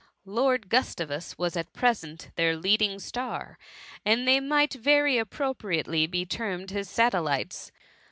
Lord Gustavus was at present their leading star, and they might very appropriately be termed his satellites.